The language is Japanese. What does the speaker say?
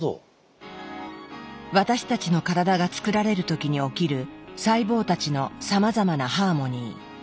私たちの体がつくられる時に起きる細胞たちのさまざまなハーモニー。